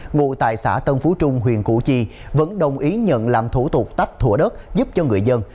ngụ tại xã tân phú trung huyện củ chi vẫn đồng ý nhận làm thủ tục tách thủa đất giúp cho người dân